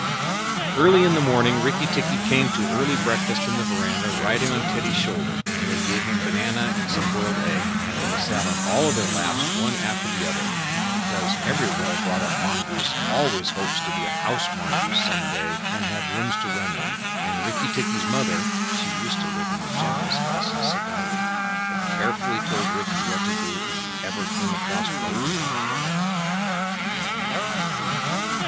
Early in the morning Rikki tikki came to early breakfast in the veranda riding on Teddy's shoulder, and they gave him banana and some boiled egg. He sat on all their laps one after the other, because every well brought up mongoose always hopes to be a house mongoose some day and have rooms to run about in; and Rikki tikki's mother (she used to live in the general's house at Segowlee) had carefully told Rikki what to do if ever he came across white men.